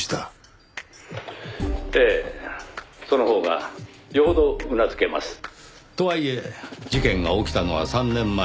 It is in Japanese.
「ええそのほうが余程うなずけます」とはいえ事件が起きたのは３年前。